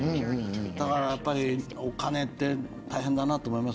だから、やっぱりお金って大変だなって思います。